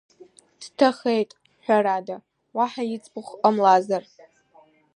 Дҭахеит, ҳәарада, уаҳа иӡбахә ҟамлазар…